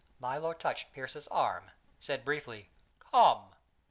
Milo touched Pearse's arm, said briefly, "Come!"